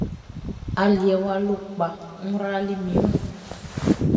Aliɛʼn wʼa lo kpa, n rali min wun.